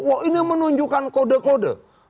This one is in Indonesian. wah ini menunjukkan kode kode